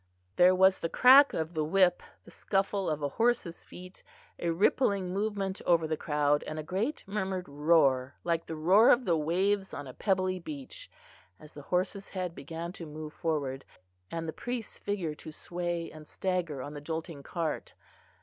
There was the crack of a whip, the scuffle of a horse's feet, a rippling movement over the crowd, and a great murmured roar, like the roar of the waves on a pebbly beach, as the horse's head began to move forward; and the priest's figure to sway and stagger on the jolting cart.